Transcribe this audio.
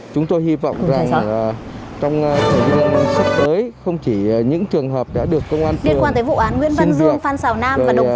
chúng tôi hy vọng rằng trong thời gian sắp tới không chỉ những trường hợp đã được công an phường xin hiệu